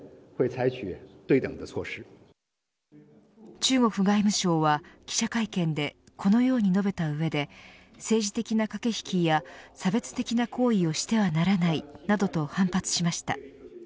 中国外務省は記者会見でこのように述べた上で政治的な駆け引きや差別的な行為をしてはならないなどと反発しました。